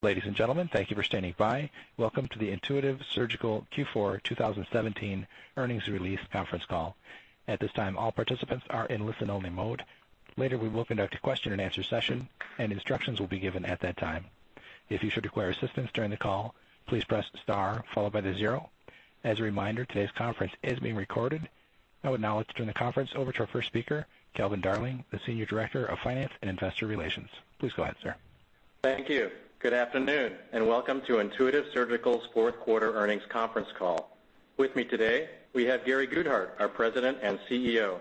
Ladies and gentlemen, thank you for standing by. Welcome to the Intuitive Surgical Q4 2017 earnings release conference call. At this time, all participants are in listen-only mode. Later, we will conduct a question and answer session, and instructions will be given at that time. If you should require assistance during the call, please press star followed by the zero. As a reminder, today's conference is being recorded. I would now like to turn the conference over to our first speaker, Calvin Darling, the Senior Director of Finance and Investor Relations. Please go ahead, sir. Thank you. Good afternoon and welcome to Intuitive Surgical's fourth quarter earnings conference call. With me today, we have Gary Guthart, our President and CEO,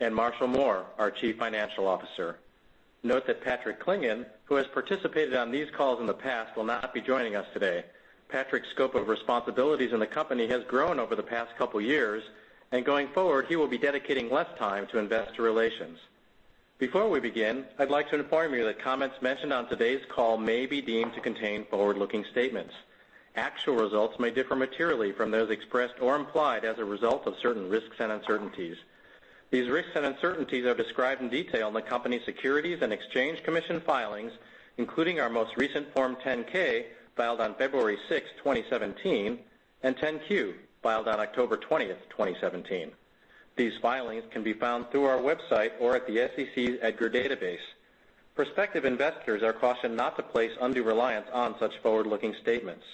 and Marshall Mohr, our Chief Financial Officer. Note that Patrick Clingan, who has participated on these calls in the past, will not be joining us today. Patrick's scope of responsibilities in the company has grown over the past couple of years, and going forward, he will be dedicating less time to investor relations. Before we begin, I'd like to inform you that comments mentioned on today's call may be deemed to contain forward-looking statements. Actual results may differ materially from those expressed or implied as a result of certain risks and uncertainties. These risks and uncertainties are described in detail in the company's Securities and Exchange Commission filings, including our most recent Form 10-K, filed on February 6th, 2017, and 10-Q, filed on October 20th, 2017. These filings can be found through our website or at the SEC's EDGAR database. Prospective investors are cautioned not to place undue reliance on such forward-looking statements.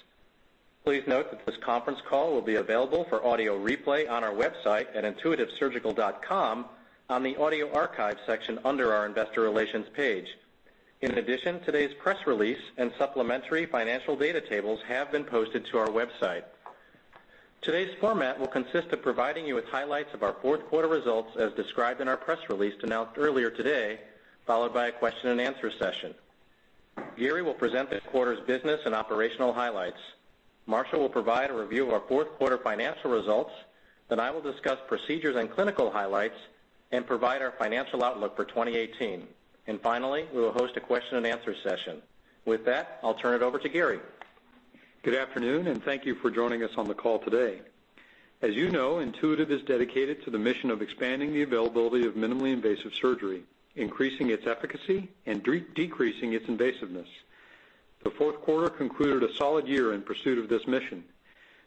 Please note that this conference call will be available for audio replay on our website at intuitivesurgical.com on the audio archive section under our investor relations page. In addition, today's press release and supplementary financial data tables have been posted to our website. Today's format will consist of providing you with highlights of our fourth quarter results as described in our press release announced earlier today, followed by a question and answer session. Gary will present the quarter's business and operational highlights. Marshall will provide a review of our fourth quarter financial results. I will discuss procedures and clinical highlights and provide our financial outlook for 2018. Finally, we will host a question and answer session. With that, I'll turn it over to Gary. Good afternoon, thank you for joining us on the call today. As you know, Intuitive is dedicated to the mission of expanding the availability of minimally invasive surgery, increasing its efficacy, and decreasing its invasiveness. The fourth quarter concluded a solid year in pursuit of this mission.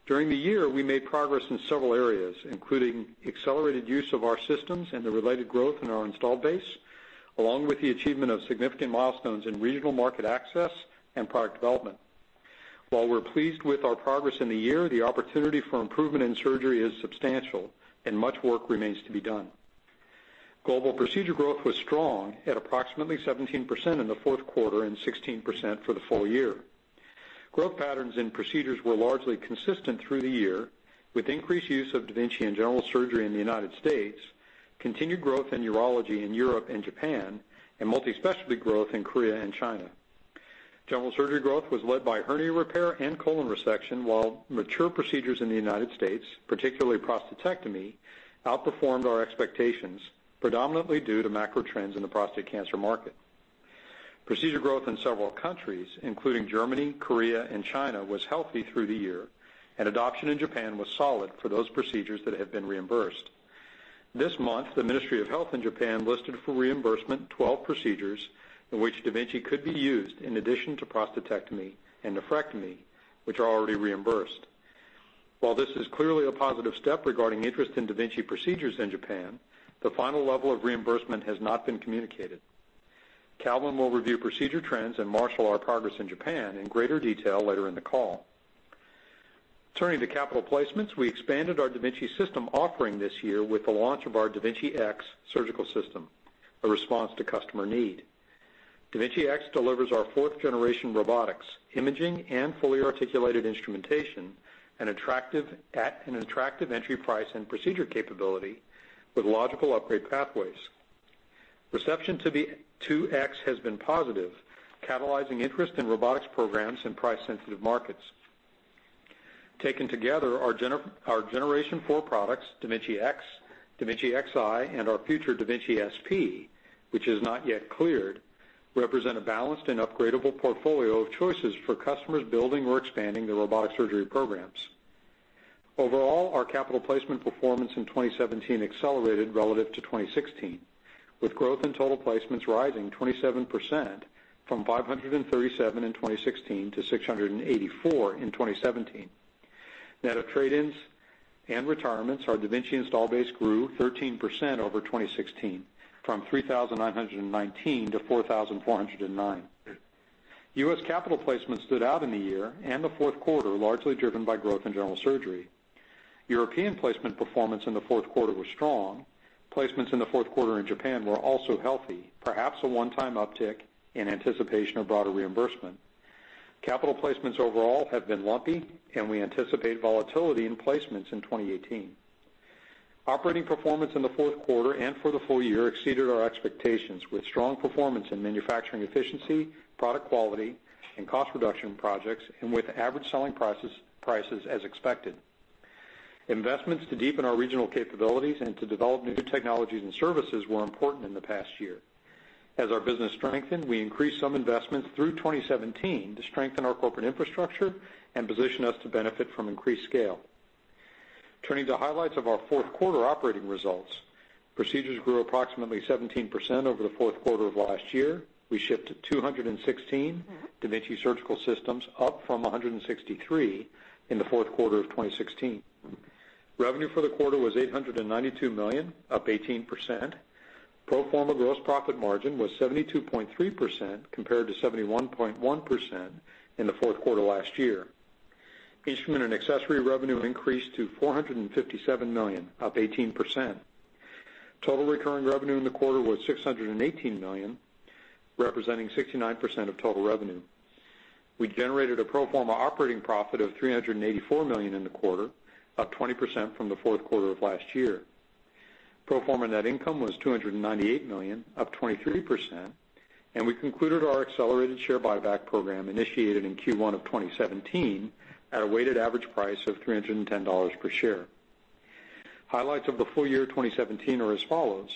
During the year, we made progress in several areas, including accelerated use of our systems and the related growth in our installed base, along with the achievement of significant milestones in regional market access and product development. While we're pleased with our progress in the year, the opportunity for improvement in surgery is substantial, much work remains to be done. Global procedure growth was strong at approximately 17% in the fourth quarter and 16% for the full year. Growth patterns and procedures were largely consistent through the year, with increased use of da Vinci in general surgery in the U.S., continued growth in urology in Europe and Japan, and multi-specialty growth in Korea and China. General surgery growth was led by hernia repair and colon resection, while mature procedures in the U.S., particularly prostatectomy, outperformed our expectations, predominantly due to macro trends in the prostate cancer market. Procedure growth in several countries, including Germany, Korea, and China, was healthy through the year, and adoption in Japan was solid for those procedures that have been reimbursed. This month, the Ministry of Health in Japan listed for reimbursement 12 procedures in which da Vinci could be used in addition to prostatectomy and nephrectomy, which are already reimbursed. This is clearly a positive step regarding interest in da Vinci procedures in Japan, the final level of reimbursement has not been communicated. Calvin will review procedure trends and Marshall our progress in Japan in greater detail later in the call. Turning to capital placements, we expanded our da Vinci system offering this year with the launch of our da Vinci X surgical system, a response to customer need. da Vinci X delivers our fourth-generation robotics, imaging, and fully articulated instrumentation at an attractive entry price and procedure capability with logical upgrade pathways. Reception to X has been positive, catalyzing interest in robotics programs in price-sensitive markets. Taken together, our Gen4 products, da Vinci X, da Vinci Xi, and our future da Vinci SP, which is not yet cleared, represent a balanced and upgradable portfolio of choices for customers building or expanding their robotic surgery programs. Our capital placement performance in 2017 accelerated relative to 2016, with growth in total placements rising 27%, from 537 in 2016 to 684 in 2017. Net of trade-ins and retirements, our da Vinci install base grew 13% over 2016 from 3,919 to 4,409. U.S. capital placement stood out in the year and the fourth quarter, largely driven by growth in general surgery. European placement performance in the fourth quarter was strong. Placements in the fourth quarter in Japan were also healthy, perhaps a one-time uptick in anticipation of broader reimbursement. Capital placements overall have been lumpy, we anticipate volatility in placements in 2018. Operating performance in the fourth quarter and for the full year exceeded our expectations, with strong performance in manufacturing efficiency, product quality, and cost reduction projects, and with average selling prices as expected. Investments to deepen our regional capabilities and to develop new technologies and services were important in the past year. As our business strengthened, we increased some investments through 2017 to strengthen our corporate infrastructure and position us to benefit from increased scale. Turning to highlights of our fourth quarter operating results. Procedures grew approximately 17% over the fourth quarter of last year. We shipped 216 da Vinci surgical systems, up from 163 in the fourth quarter of 2016. Revenue for the quarter was $892 million, up 18%. Pro forma gross profit margin was 72.3%, compared to 71.1% in the fourth quarter last year. Instrument and accessory revenue increased to $457 million, up 18%. Total recurring revenue in the quarter was $618 million, representing 69% of total revenue. We generated a pro forma operating profit of $384 million in the quarter, up 20% from the fourth quarter of last year. Pro forma net income was $298 million, up 23%. We concluded our accelerated share buyback program initiated in Q1 of 2017 at a weighted average price of $310 per share. Highlights of the full year 2017 are as follows.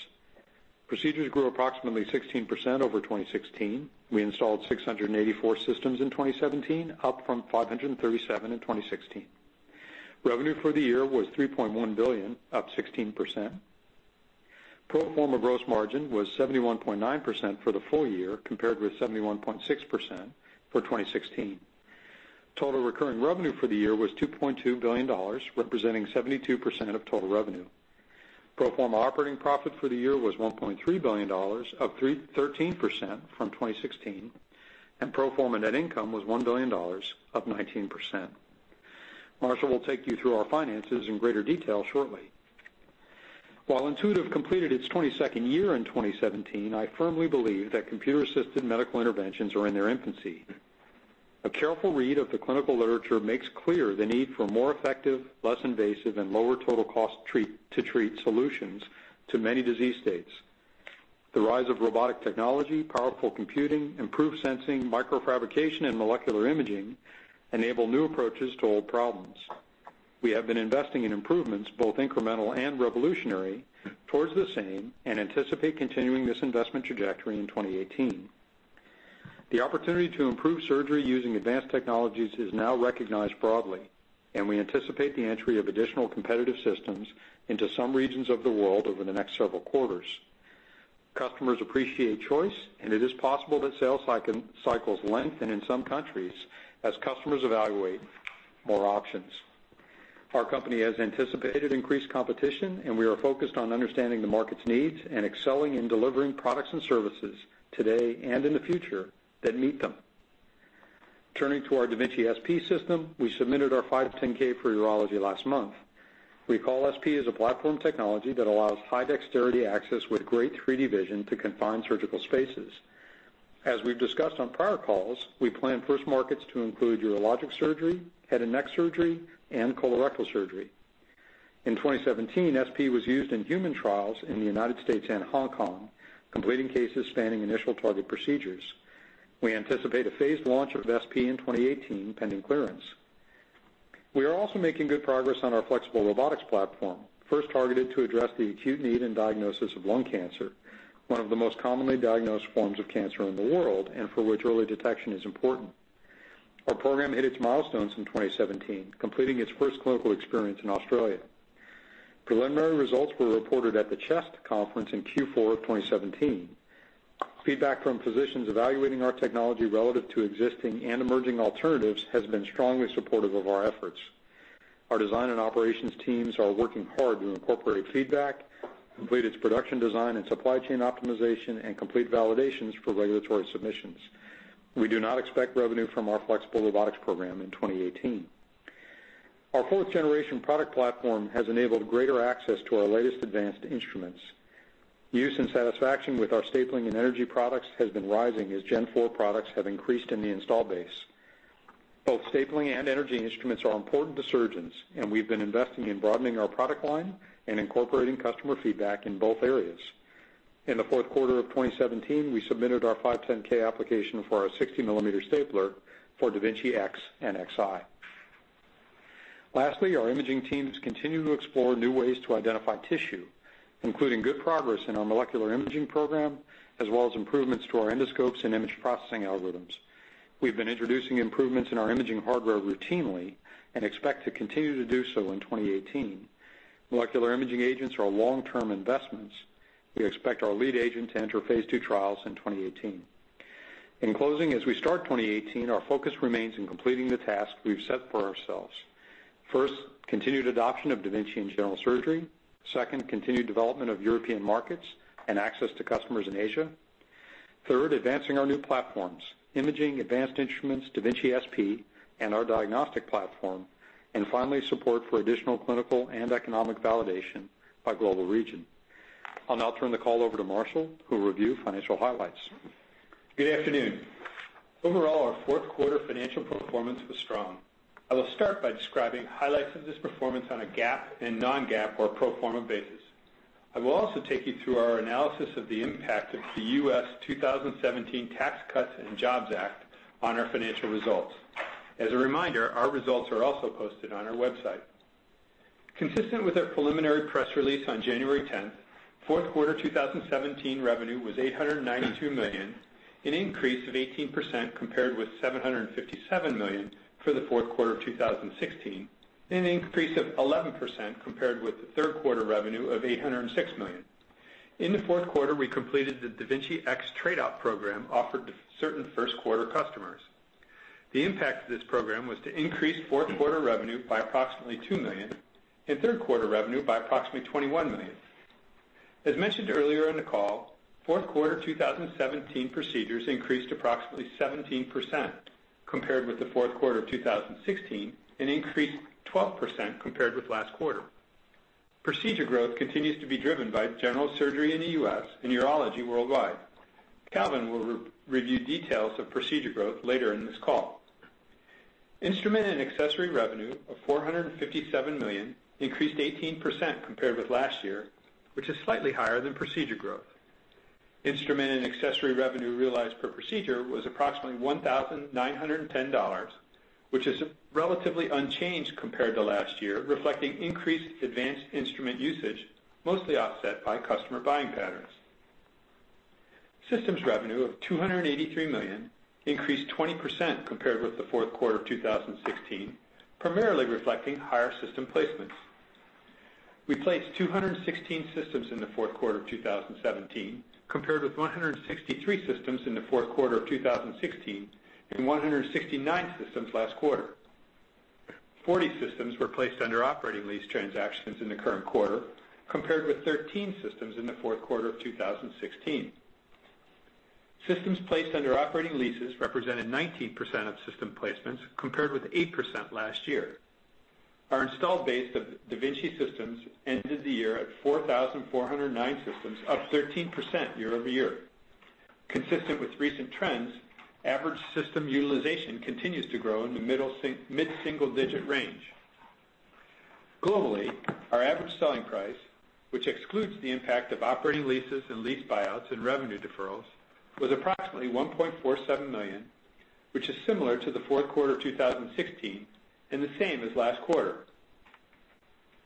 Procedures grew approximately 16% over 2016. We installed 684 systems in 2017, up from 537 in 2016. Revenue for the year was $3.1 billion, up 16%. Pro forma gross margin was 71.9% for the full year, compared with 71.6% for 2016. Total recurring revenue for the year was $2.2 billion, representing 72% of total revenue. Pro forma operating profit for the year was $1.3 billion, up 13% from 2016. Pro forma net income was $1 billion, up 19%. Marshall will take you through our finances in greater detail shortly. While Intuitive completed its 22nd year in 2017, I firmly believe that computer-assisted medical interventions are in their infancy. A careful read of the clinical literature makes clear the need for more effective, less invasive, and lower total cost to treat solutions to many disease states. The rise of robotic technology, powerful computing, improved sensing, microfabrication, and molecular imaging enable new approaches to old problems. We have been investing in improvements, both incremental and revolutionary, towards the same. We anticipate continuing this investment trajectory in 2018. The opportunity to improve surgery using advanced technologies is now recognized broadly. We anticipate the entry of additional competitive systems into some regions of the world over the next several quarters. Customers appreciate choice. It is possible that sales cycles lengthen in some countries as customers evaluate more options. Our company has anticipated increased competition. We are focused on understanding the market's needs and excelling in delivering products and services today and in the future that meet them. Turning to our da Vinci SP system, we submitted our 510(k) for urology last month. We call SP as a platform technology that allows high dexterity access with great 3D vision to confined surgical spaces. As we've discussed on prior calls, we plan first markets to include urologic surgery, head and neck surgery, and colorectal surgery. In 2017, SP was used in human trials in the U.S. and Hong Kong, completing cases spanning initial target procedures. We anticipate a phased launch of SP in 2018, pending clearance. We are also making good progress on our flexible robotics platform, first targeted to address the acute need in diagnosis of lung cancer, one of the most commonly diagnosed forms of cancer in the world and for which early detection is important. Our program hit its milestones in 2017, completing its first clinical experience in Australia. Preliminary results were reported at the CHEST Conference in Q4 2017. Feedback from physicians evaluating our technology relative to existing and emerging alternatives has been strongly supportive of our efforts. Our design and operations teams are working hard to incorporate feedback, complete its production design and supply chain optimization, and complete validations for regulatory submissions. We do not expect revenue from our flexible robotics program in 2018. Our fourth-generation product platform has enabled greater access to our latest advanced instruments. Use and satisfaction with our stapling and energy products has been rising as Gen4 products have increased in the install base. Both stapling and energy instruments are important to surgeons, and we've been investing in broadening our product line and incorporating customer feedback in both areas. In the fourth quarter of 2017, we submitted our 510(k) application for our 60-millimeter stapler for da Vinci X and Xi. Lastly, our imaging teams continue to explore new ways to identify tissue, including good progress in our molecular imaging program, as well as improvements to our endoscopes and image processing algorithms. We've been introducing improvements in our imaging hardware routinely and expect to continue to do so in 2018. Molecular imaging agents are long-term investments. We expect our lead agent to enter phase II trials in 2018. In closing, as we start 2018, our focus remains in completing the task we've set for ourselves. First, continued adoption of da Vinci in general surgery. Second, continued development of European markets and access to customers in Asia. Third, advancing our new platforms, imaging, advanced instruments, da Vinci SP, and our diagnostic platform. Finally, support for additional clinical and economic validation by global region. I'll now turn the call over to Marshall, who will review financial highlights. Good afternoon. Overall, our fourth quarter financial performance was strong. I will start by describing highlights of this performance on a GAAP and non-GAAP or pro forma basis. I will also take you through our analysis of the impact of the U.S. 2017 Tax Cuts and Jobs Act on our financial results. As a reminder, our results are also posted on our website. Consistent with our preliminary press release on January 10th. Fourth quarter 2017 revenue was $892 million, an increase of 18% compared with $757 million for the fourth quarter of 2016, and an increase of 11% compared with the third quarter revenue of $806 million. In the fourth quarter, we completed the da Vinci X trade-out program offered to certain first-quarter customers. The impact of this program was to increase fourth quarter revenue by approximately $2 million and third-quarter revenue by approximately $21 million. As mentioned earlier in the call, fourth quarter 2017 procedures increased approximately 17% compared with the fourth quarter of 2016, and increased 12% compared with last quarter. Procedure growth continues to be driven by general surgery in the U.S. and urology worldwide. Calvin will review details of procedure growth later in this call. Instrument and accessory revenue of $457 million increased 18% compared with last year, which is slightly higher than procedure growth. Instrument and accessory revenue realized per procedure was approximately $1,910, which is relatively unchanged compared to last year, reflecting increased advanced instrument usage, mostly offset by customer buying patterns. Systems revenue of $283 million increased 20% compared with the fourth quarter of 2016, primarily reflecting higher system placements. We placed 216 systems in the fourth quarter of 2017, compared with 163 systems in the fourth quarter of 2016, and 169 systems last quarter. 40 systems were placed under operating lease transactions in the current quarter, compared with 13 systems in the fourth quarter of 2016. Systems placed under operating leases represented 19% of system placements, compared with 8% last year. Our installed base of da Vinci systems ended the year at 4,409 systems, up 13% year-over-year. Consistent with recent trends, average system utilization continues to grow in the mid-single-digit range. Globally, our average selling price, which excludes the impact of operating leases and lease buyouts and revenue deferrals, was approximately $1.47 million, which is similar to the fourth quarter of 2016 and the same as last quarter.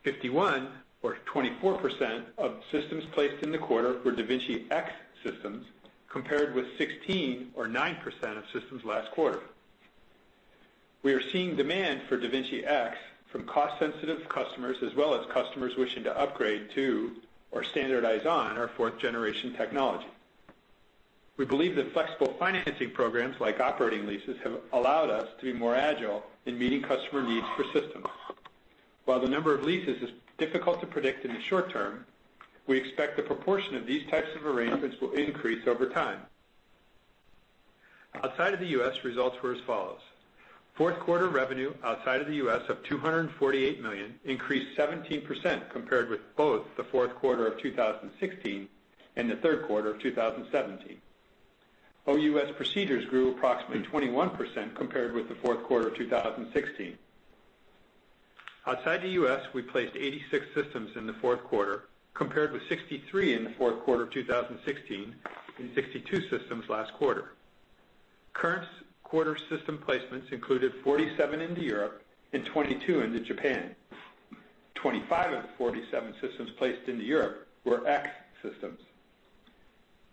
51 or 24% of systems placed in the quarter were da Vinci X systems, compared with 16 or 9% of systems last quarter. We are seeing demand for da Vinci X from cost-sensitive customers as well as customers wishing to upgrade to or standardize on our fourth generation technology. We believe that flexible financing programs like operating leases have allowed us to be more agile in meeting customer needs for systems. While the number of leases is difficult to predict in the short term, we expect the proportion of these types of arrangements will increase over time. Outside of the U.S., results were as follows. Fourth quarter revenue outside of the U.S. of $248 million increased 17% compared with both the fourth quarter of 2016 and the third quarter of 2017. OUS procedures grew approximately 21% compared with the fourth quarter of 2016. Outside the U.S., we placed 86 systems in the fourth quarter, compared with 63 in the fourth quarter of 2016 and 62 systems last quarter. Current quarter system placements included 47 into Europe and 22 into Japan. 25 out of the 47 systems placed into Europe were X systems.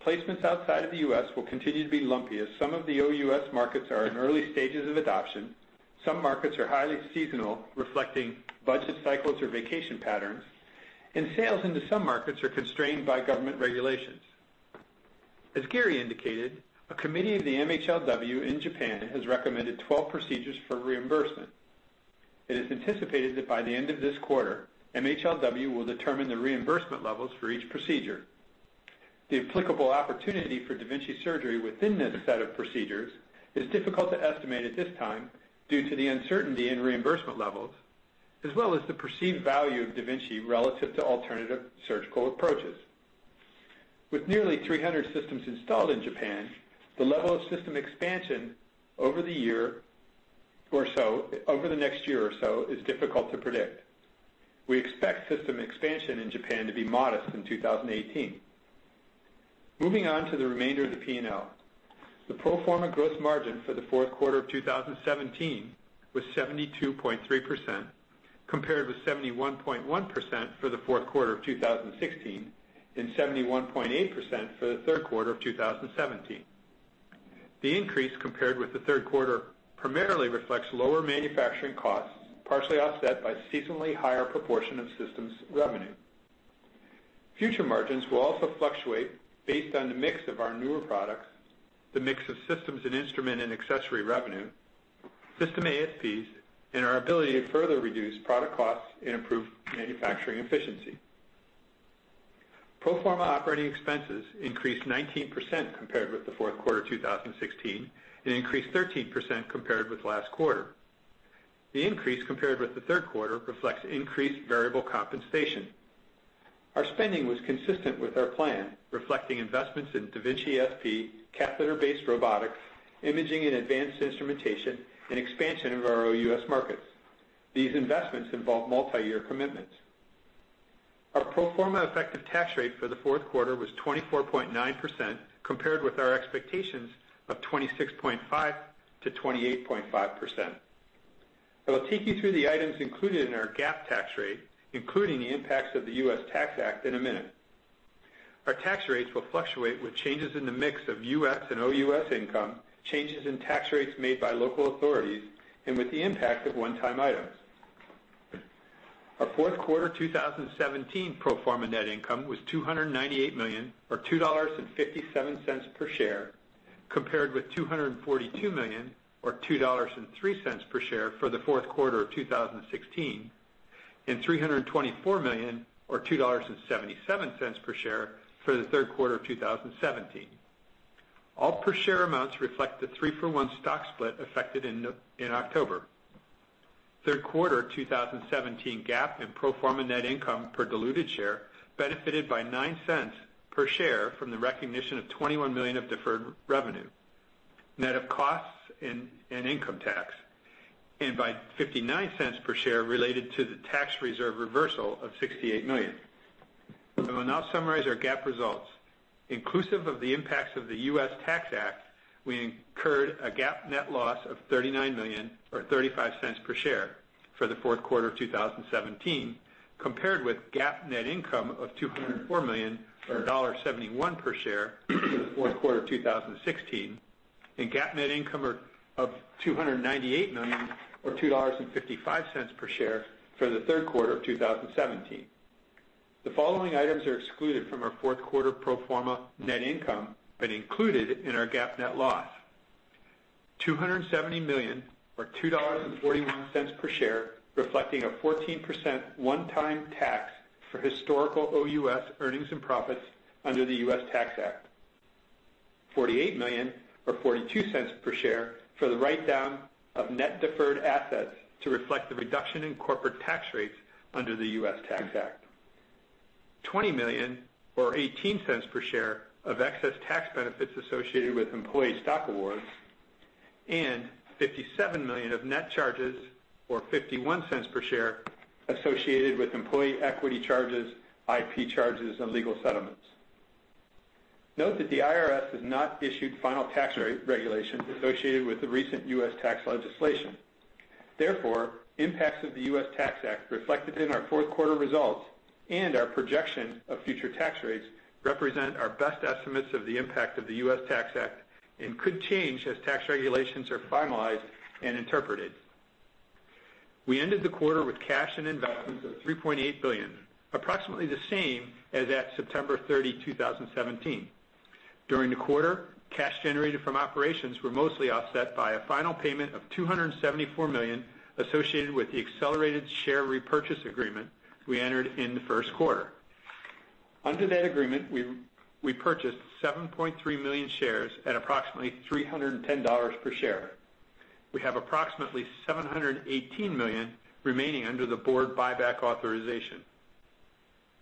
Placements outside of the U.S. will continue to be lumpy as some of the OUS markets are in early stages of adoption. Some markets are highly seasonal, reflecting budget cycles or vacation patterns, and sales into some markets are constrained by government regulations. As Gary indicated, a committee of the MHLW in Japan has recommended 12 procedures for reimbursement. It is anticipated that by the end of this quarter, MHLW will determine the reimbursement levels for each procedure. The applicable opportunity for da Vinci surgery within this set of procedures is difficult to estimate at this time due to the uncertainty in reimbursement levels, as well as the perceived value of da Vinci relative to alternative surgical approaches. With nearly 300 systems installed in Japan, the level of system expansion over the next year or so is difficult to predict. We expect system expansion in Japan to be modest in 2018. Moving on to the remainder of the P&L. The pro forma gross margin for the fourth quarter of 2017 was 72.3%, compared with 71.1% for the fourth quarter of 2016 and 71.8% for the third quarter of 2017. The increase compared with the third quarter primarily reflects lower manufacturing costs, partially offset by seasonally higher proportion of systems revenue. Future margins will also fluctuate based on the mix of our newer products, the mix of systems and instrument and accessory revenue, system ASPs, and our ability to further reduce product costs and improve manufacturing efficiency. Pro forma operating expenses increased 19% compared with the fourth quarter 2016 and increased 13% compared with last quarter. The increase compared with the third quarter reflects increased variable compensation. Our spending was consistent with our plan, reflecting investments in da Vinci SP, catheter-based robotics, imaging and advanced instrumentation, and expansion of our OUS markets. These investments involve multiyear commitments. Our pro forma effective tax rate for the fourth quarter was 24.9%, compared with our expectations of 26.5%-28.5%. I will take you through the items included in our GAAP tax rate, including the impacts of the US Tax Act, in a minute. Our tax rates will fluctuate with changes in the mix of U.S. and OUS income, changes in tax rates made by local authorities, and with the impact of one-time items. Our fourth quarter 2017 pro forma net income was $298 million, or $2.57 per share, compared with $242 million or $2.03 per share for the fourth quarter of 2016, and $324 million or $2.77 per share for the third quarter of 2017. All per share amounts reflect the three-for-one stock split affected in October. Third quarter 2017 GAAP and pro forma net income per diluted share benefited by $0.09 per share from the recognition of $21 million of deferred revenue, net of costs and income tax, and by $0.59 per share related to the tax reserve reversal of $68 million. I will now summarize our GAAP results. Inclusive of the impacts of the US Tax Act, we incurred a GAAP net loss of $39 million or $0.45 per share for the fourth quarter of 2017, compared with GAAP net income of $204 million or $1.71 per share for the fourth quarter of 2016, and GAAP net income of $298 million or $2.55 per share for the third quarter of 2017. The following items are excluded from our fourth quarter pro forma net income but included in our GAAP net loss. $270 million or $2.41 per share, reflecting a 14% one-time tax for historical OUS earnings and profits under the US Tax Act. $48 million or $0.42 per share for the write-down of net deferred assets to reflect the reduction in corporate tax rates under the US Tax Act. $20 million or $0.18 per share of excess tax benefits associated with employee stock awards, and $57 million of net charges or $0.51 per share associated with employee equity charges, IP charges, and legal settlements. Note that the IRS has not issued final tax rate regulations associated with the recent U.S. tax legislation. Therefore, impacts of the US Tax Act reflected in our fourth quarter results and our projection of future tax rates represent our best estimates of the impact of the US Tax Act and could change as tax regulations are finalized and interpreted. We ended the quarter with cash and investments of $3.8 billion, approximately the same as at September 30, 2017. During the quarter, cash generated from operations were mostly offset by a final payment of $274 million associated with the accelerated share repurchase agreement we entered in the first quarter. Under that agreement, we purchased 7.3 million shares at approximately $310 per share. We have approximately $718 million remaining under the board buyback authorization.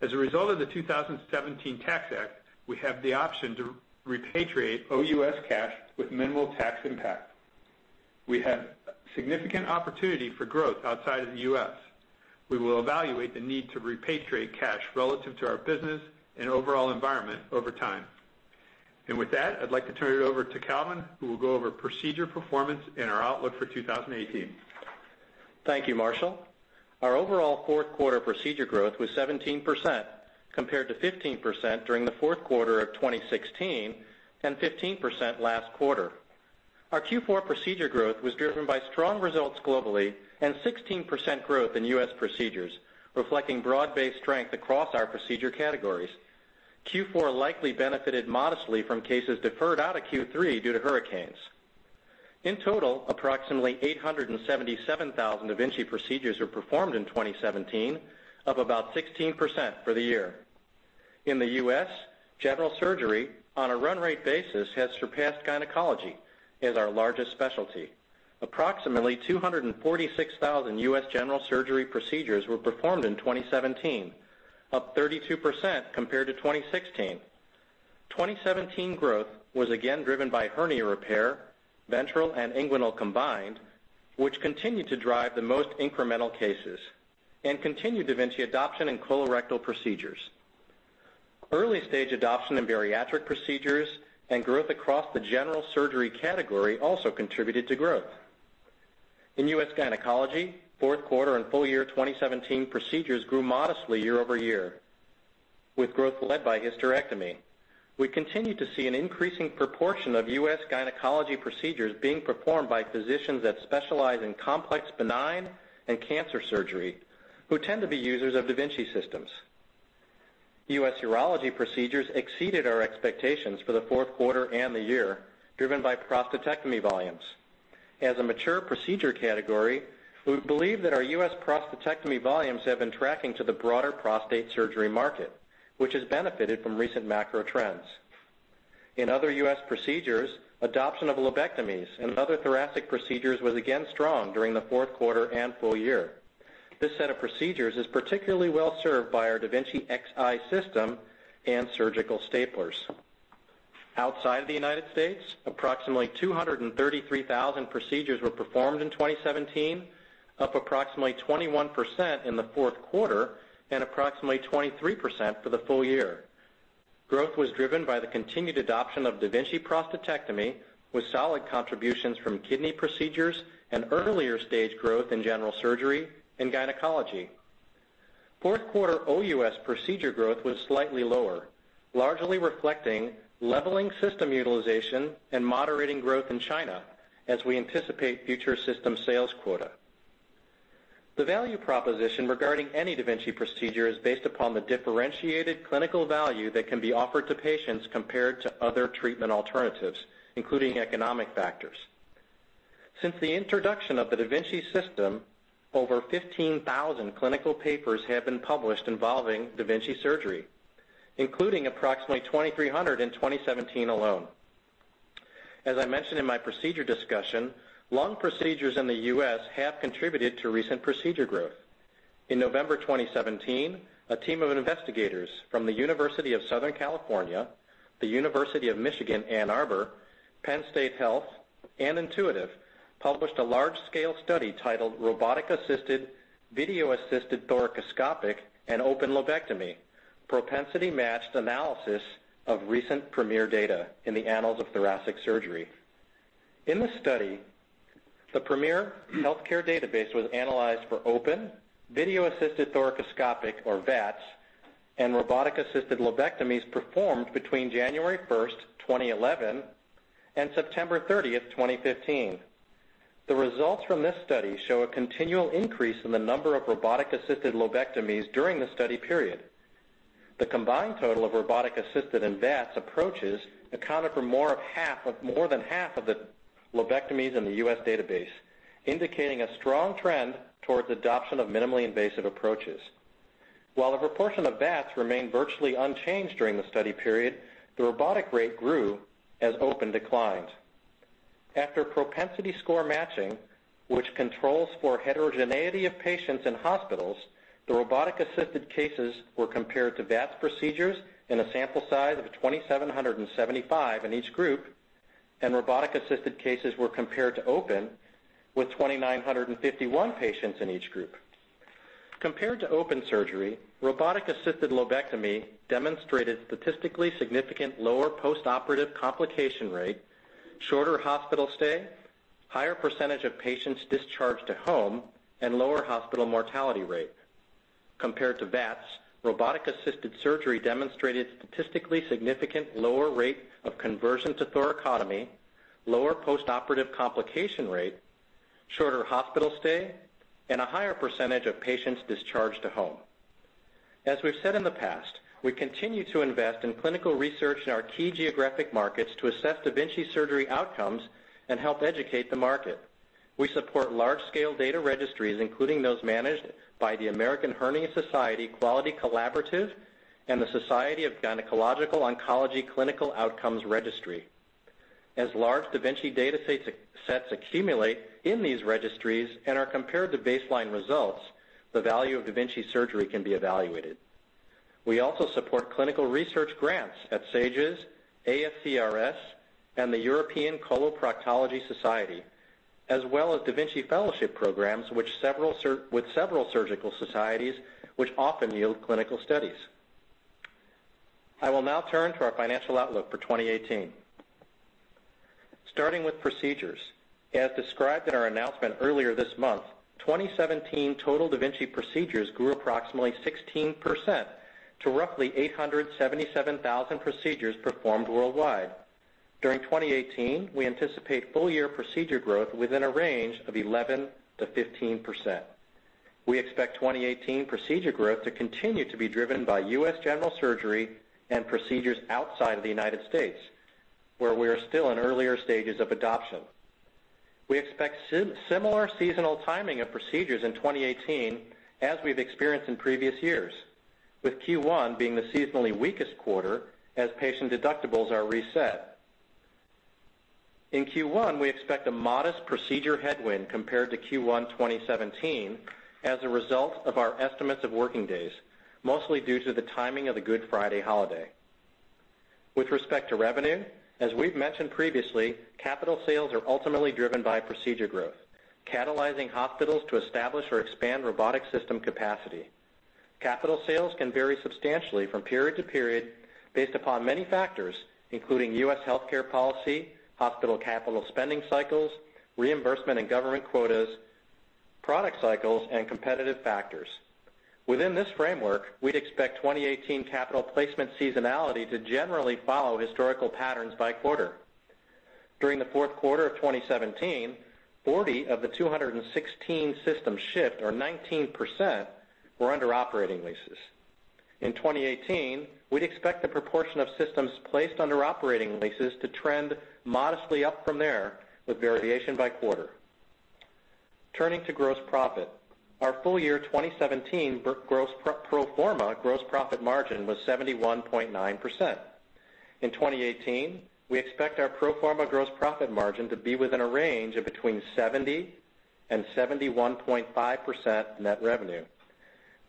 As a result of the 2017 Tax Act, we have the option to repatriate OUS cash with minimal tax impact. We have significant opportunity for growth outside of the U.S. We will evaluate the need to repatriate cash relative to our business and overall environment over time. With that, I'd like to turn it over to Calvin, who will go over procedure performance and our outlook for 2018. Thank you, Marshall. Our overall fourth quarter procedure growth was 17% compared to 15% during the fourth quarter of 2016 and 15% last quarter. Our Q4 procedure growth was driven by strong results globally and 16% growth in U.S. procedures, reflecting broad-based strength across our procedure categories. Q4 likely benefited modestly from cases deferred out of Q3 due to hurricanes. In total, approximately 877,000 da Vinci procedures were performed in 2017, up about 16% for the year. In the U.S., general surgery on a run rate basis has surpassed gynecology as our largest specialty. Approximately 246,000 U.S. general surgery procedures were performed in 2017, up 32% compared to 2016. 2017 growth was again driven by hernia repair, ventral and inguinal combined, which continued to drive the most incremental cases and continued da Vinci adoption in colorectal procedures. Early-stage adoption in bariatric procedures and growth across the general surgery category also contributed to growth. In U.S. gynecology, fourth quarter and full year 2017 procedures grew modestly year-over-year, with growth led by hysterectomy. We continue to see an increasing proportion of U.S. gynecology procedures being performed by physicians that specialize in complex benign and cancer surgery, who tend to be users of da Vinci systems. U.S. urology procedures exceeded our expectations for the fourth quarter and the year, driven by prostatectomy volumes. As a mature procedure category, we believe that our U.S. prostatectomy volumes have been tracking to the broader prostate surgery market, which has benefited from recent macro trends. In other U.S. procedures, adoption of lobectomies and other thoracic procedures was again strong during the fourth quarter and full year. This set of procedures is particularly well served by our da Vinci Xi system and surgical staplers. Outside of the United States, approximately 233,000 procedures were performed in 2017, up approximately 21% in the fourth quarter and approximately 23% for the full year. Growth was driven by the continued adoption of da Vinci prostatectomy, with solid contributions from kidney procedures and earlier stage growth in general surgery and gynecology. Fourth quarter OUS procedure growth was slightly lower, largely reflecting leveling system utilization and moderating growth in China as we anticipate future system sales quota. The value proposition regarding any da Vinci procedure is based upon the differentiated clinical value that can be offered to patients compared to other treatment alternatives, including economic factors. Since the introduction of the da Vinci system, over 15,000 clinical papers have been published involving da Vinci surgery, including approximately 2,300 in 2017 alone. As I mentioned in my procedure discussion, lung procedures in the U.S. have contributed to recent procedure growth. In November 2017, a team of investigators from the University of Southern California, the University of Michigan, Ann Arbor, Penn State Health, and Intuitive, published a large-scale study titled "Robotic-Assisted, Video-Assisted Thoracoscopic, and Open Lobectomy: Propensity Matched Analysis of Recent Premier Data" in the Annals of Thoracic Surgery. In the study, the Premier Healthcare database was analyzed for open video-assisted thoracoscopic, or VATS, and robotic-assisted lobectomies performed between January 1st, 2011, and September 30th, 2015. The results from this study show a continual increase in the number of robotic-assisted lobectomies during the study period. The combined total of robotic-assisted and VATS approaches accounted for more than half of the lobectomies in the U.S. database, indicating a strong trend towards adoption of minimally invasive approaches. While the proportion of VATS remained virtually unchanged during the study period, the robotic rate grew as open declined. After propensity score matching, which controls for heterogeneity of patients in hospitals, the robotic-assisted cases were compared to VATS procedures in a sample size of 2,775 in each group, and robotic-assisted cases were compared to open with 2,951 patients in each group. Compared to open surgery, robotic-assisted lobectomy demonstrated statistically significant lower postoperative complication rate, shorter hospital stay, higher percentage of patients discharged to home, and lower hospital mortality rate. Compared to VATS, robotic-assisted surgery demonstrated statistically significant lower rate of conversion to thoracotomy, lower postoperative complication rate, shorter hospital stay, and a higher percentage of patients discharged to home. As we've said in the past, we continue to invest in clinical research in our key geographic markets to assess da Vinci surgery outcomes and help educate the market. We support large-scale data registries, including those managed by the Americas Hernia Society Quality Collaborative and the Society of Gynecologic Oncology Clinical Outcomes Registry. As large da Vinci data sets accumulate in these registries and are compared to baseline results, the value of da Vinci surgery can be evaluated. We also support clinical research grants at SAGES, ASCRS, and the European Society of Coloproctology, as well as da Vinci fellowship programs with several surgical societies, which often yield clinical studies. I will now turn to our financial outlook for 2018. Starting with procedures, as described in our announcement earlier this month, 2017 total da Vinci procedures grew approximately 16% to roughly 877,000 procedures performed worldwide. During 2018, we anticipate full-year procedure growth within a range of 11%-15%. We expect 2018 procedure growth to continue to be driven by U.S. general surgery and procedures outside of the United States, where we are still in earlier stages of adoption. We expect similar seasonal timing of procedures in 2018 as we've experienced in previous years, with Q1 being the seasonally weakest quarter as patient deductibles are reset. In Q1, we expect a modest procedure headwind compared to Q1 2017 as a result of our estimates of working days, mostly due to the timing of the Good Friday holiday. With respect to revenue, as we've mentioned previously, capital sales are ultimately driven by procedure growth, catalyzing hospitals to establish or expand robotic system capacity. Capital sales can vary substantially from period to period based upon many factors, including U.S. healthcare policy, hospital capital spending cycles, reimbursement and government quotas, product cycles, and competitive factors. Within this framework, we'd expect 2018 capital placement seasonality to generally follow historical patterns by quarter. During the fourth quarter of 2017, 40 of the 216 systems shipped, or 19%, were under operating leases. In 2018, we'd expect the proportion of systems placed under operating leases to trend modestly up from there, with variation by quarter. Turning to gross profit. Our full-year 2017 pro forma gross profit margin was 71.9%. In 2018, we expect our pro forma gross profit margin to be within a range of between 70% and 71.5% net revenue.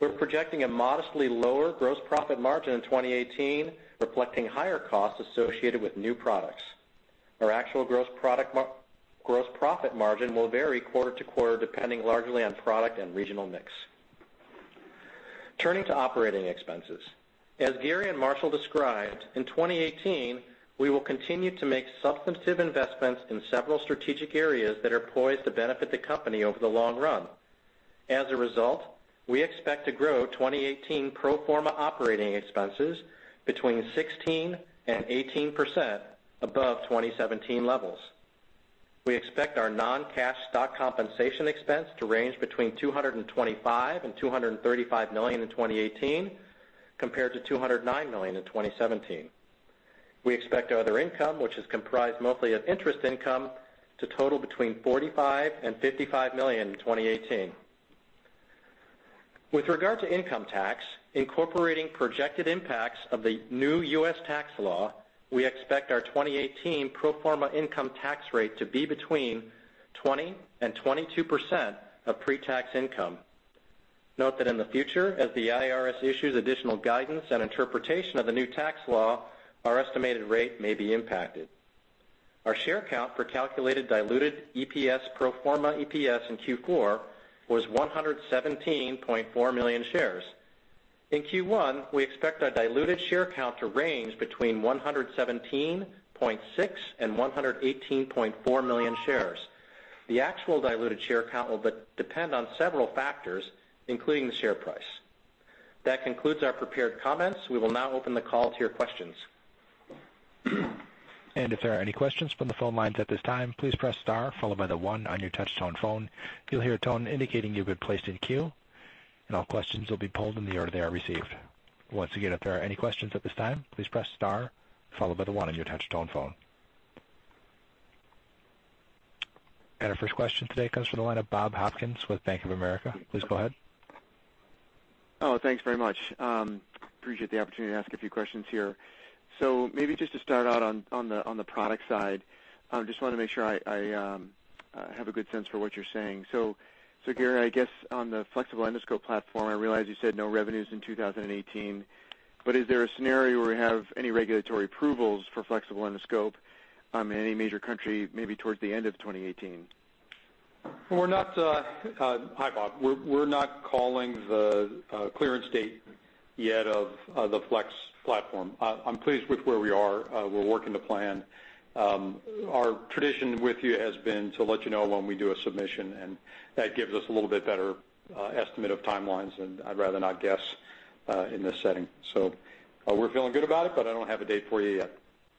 We're projecting a modestly lower gross profit margin in 2018, reflecting higher costs associated with new products. Our actual gross profit margin will vary quarter to quarter, depending largely on product and regional mix. Turning to operating expenses. As Gary Guthart and Marshall Mohr described, in 2018, we will continue to make substantive investments in several strategic areas that are poised to benefit the company over the long run. As a result, we expect to grow 2018 pro forma operating expenses between 16% and 18% above 2017 levels. We expect our non-cash stock compensation expense to range between $225 million and $235 million in 2018, compared to $209 million in 2017. We expect our other income, which is comprised mostly of interest income, to total between $45 million and $55 million in 2018. With regard to income tax, incorporating projected impacts of the new U.S. tax law, we expect our 2018 pro forma income tax rate to be between 20% and 22% of pre-tax income. Note that in the future, as the IRS issues additional guidance and interpretation of the new tax law, our estimated rate may be impacted. Our share count for calculated diluted EPS, pro forma EPS in Q4 was 117.4 million shares. In Q1, we expect our diluted share count to range between 117.6 million and 118.4 million shares. The actual diluted share count will depend on several factors, including the share price. That concludes our prepared comments. We will now open the call to your questions. If there are any questions from the phone lines at this time, please press star followed by the one on your touch tone phone. You'll hear a tone indicating you have been placed in queue, and all questions will be polled in the order they are received. Once again, if there are any questions at this time, please press star followed by the one on your touch tone phone. Our first question today comes from the line of Bob Hopkins with Bank of America. Please go ahead. Thanks very much. Appreciate the opportunity to ask a few questions here. Maybe just to start out on the product side, just want to make sure I have a good sense for what you're saying. Gary, I guess on the flexible endoscope platform, I realize you said no revenues in 2018, is there a scenario where we have any regulatory approvals for flexible endoscope in any major country, maybe towards the end of 2018? Hi, Bob. We're not calling the clearance date yet of the flex platform. I'm pleased with where we are. We're working the plan. Our tradition with you has been to let you know when we do a submission, and that gives us a little bit better estimate of timelines, and I'd rather not guess in this setting. We're feeling good about it, but I don't have a date for you yet.